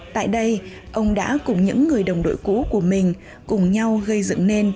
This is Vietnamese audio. tại đây ông đã cùng những người đồng đội cũ của mình cùng nhau gây dựng nên